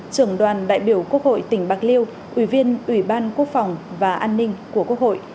trưởng đoàn đại biểu quốc hội tỉnh bạc liêu ủy viên ủy ban quốc phòng và an ninh của quốc hội